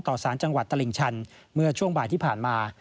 สารจังหวัดตลิ่งชันเมื่อช่วงบ่ายที่ผ่านมา